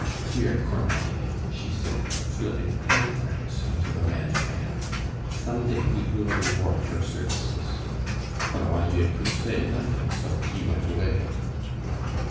"Here, Cornoiller," she said, slipping ten francs into the man's hand, "some day we will reward your services." Cornoiller could say nothing, so he went away.